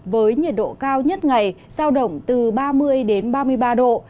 với nhiệt độ cao nhất ngày giao động từ ba mươi đến ba mươi ba độ